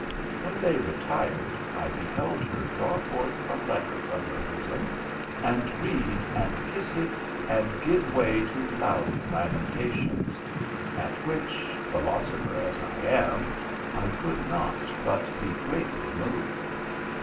When they retired, I beheld her draw forth a letter from her bosom, and read, and kiss it, and give way to loud lamentations ; at which, philosopher as 1 am, I could not but be greatly moved."